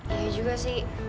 ya juga sih